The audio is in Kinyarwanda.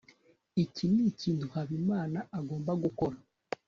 iki nikintu habimana agomba gukora